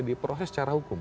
diproses secara hukum